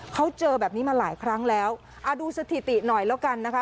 เขาเจอแบบนี้มาหลายครั้งแล้วอ่าดูสถิติหน่อยแล้วกันนะคะ